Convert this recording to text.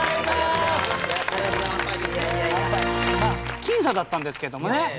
僅差だったんですけどもね。